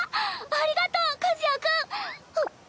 ありがとう和也君。はむっ。